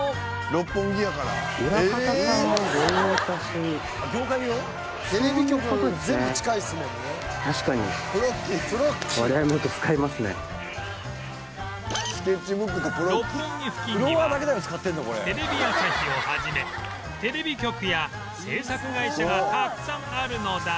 六本木付近にはテレビ朝日を始めテレビ局や制作会社がたくさんあるのだが